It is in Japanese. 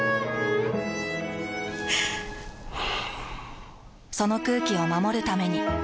ふぅその空気を守るために。